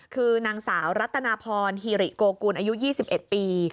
คือนางสาวรัตนาพรฮิริโกกุลอายุ๒๑ปี